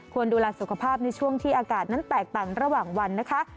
ดูแลสุขภาพในช่วงที่อากาศนั้นแตกต่างระหว่างวันนะคะ